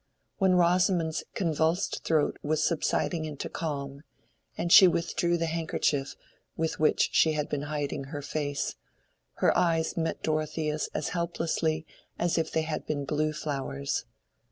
When Rosamond's convulsed throat was subsiding into calm, and she withdrew the handkerchief with which she had been hiding her face, her eyes met Dorothea's as helplessly as if they had been blue flowers.